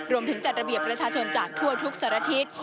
จัดระเบียบประชาชนจากทั่วทุกสารทิศ